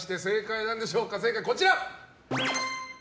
正解はこちら。